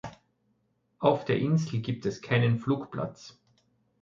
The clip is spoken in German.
Auf der Insel gibt es keinen Flugplatz.